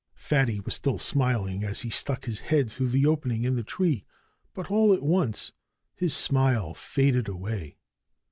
Fatty was still smiling as he stuck his head through the opening in the tree. But all at once his smile faded away.